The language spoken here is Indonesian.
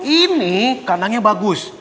ini kandangnya bagus